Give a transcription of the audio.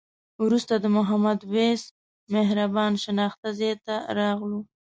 وروسته د محمد وېس مهربان شناخته ځای ته راغلو.